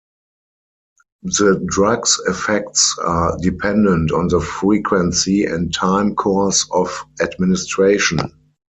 The drug's effects are dependent on the frequency and time course of administration.